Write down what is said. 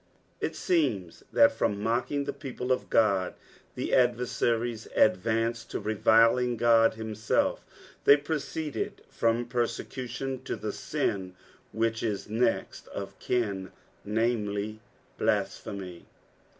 It seems that from mockin;; the people of God, the adversaries advanced to reviling Ood him self, they proceeded from persecution to the sin which is next of kin, namely blasphemy.